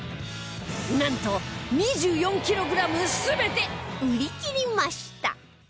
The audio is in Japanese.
なんと２４キログラム全て売り切りました